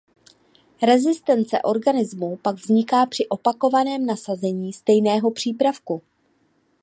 Rezistence organizmů pak vzniká při opakovaném nasazení stejného přípravku.